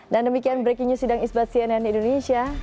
dan demikian breaking news sidang isbat cnn indonesia